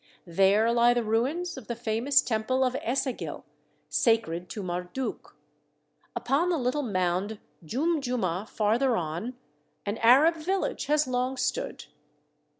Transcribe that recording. There lie the ruins of the famous temple of Esagil, sacred to Marduk. Upon the little mound Jumjuma far ther on, an Arab village has long stood.